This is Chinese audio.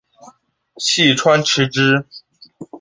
细川持之。